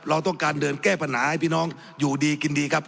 เราต้องการเดินแก้ปัญหาให้พี่น้องอยู่ดีกินดีครับ